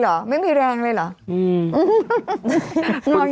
ว่าข้อมูลในการโพสต์อะไรอย่างนี้นะพี่นะ